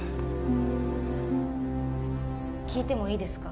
聞いてもいいですか？